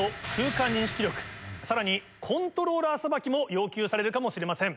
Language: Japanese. さらにコントローラーさばきも要求されるかもしれません。